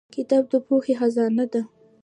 • کتاب د پوهې خزانه ده.